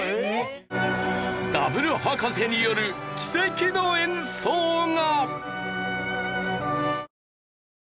ダブル葉加瀬による奇跡の演奏が。